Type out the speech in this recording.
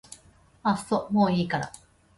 あっそもういいから